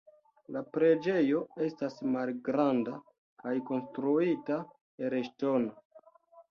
La preĝejo estas malgranda kaj konstruita el ŝtono.